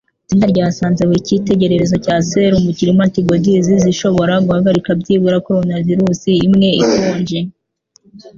Itsinda ryasanze buri cyitegererezo cya serumu kirimo antibodies zishobora guhagarika byibura coronavirus imwe ikonje